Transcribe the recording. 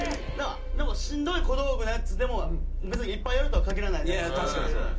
しんどい小道具のやつでも別にいっぱいやるとは限らないじゃないですか。